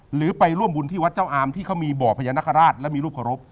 หรือไปร่วมบุญที่วัดเจ้าอามที่เขามีบ่อพญานาคาราชและมีรูปเคารพ